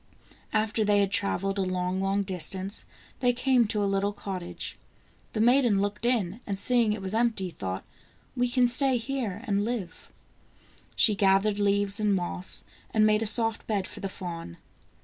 After they had traveled a long, long distance, they came to a little cottage. The maiden looked in, and seeing it was empty, thought: "We can stay here and live." She gathered leaves and moss and made a soft bed for the fawn.